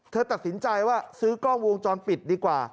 เธอตัดสินใจว่าซื้อกล้องวงจรปิดดีกว่า